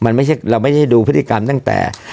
เราไม่ได้ดูพฤติกรรมตั้งแต่